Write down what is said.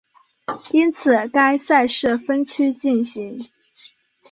因此该赛事分区进行。